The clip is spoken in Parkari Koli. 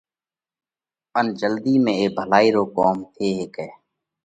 ان جلڌِي ۾ اي ڀلائِي رو ڪوم ٿي هيڪئھ۔